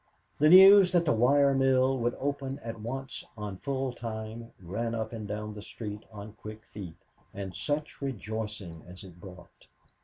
The news that the wire mill would open at once on full time ran up and down the street on quick feet, and such rejoicing as it brought!